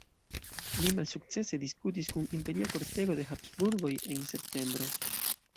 Li malsukcese diskutis kun Imperia Kortego de Habsburgoj en septembro.